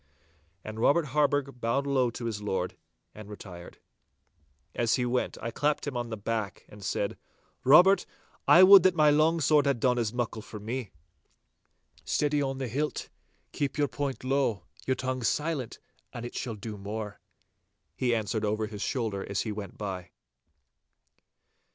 And Robert Harburgh bowed low to his lord and retired. As he went I clapped him on the back, and said, 'Robert, I would that my long sword had done as muckle for me.' 'Steady on the hilt! Keep your point low, your tongue silent, and it shall do more!' he answered over his shoulder as he went by.